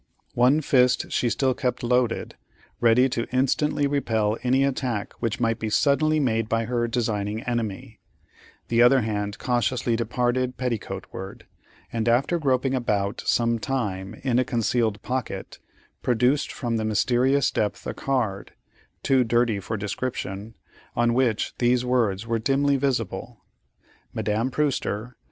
One fist she still kept loaded, ready to instantly repel any attack which might be suddenly made by her designing enemy, the other hand cautiously departed petticoatward, and after groping about some time in a concealed pocket, produced from the mysterious depth a card, too dirty for description, on which these words were dimly visible: ++| c N || e o || 5 n MADAME PREWSTER